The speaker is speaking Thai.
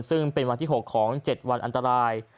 ซึ่งเป็นวันที่๖ของ๗วันอันตราย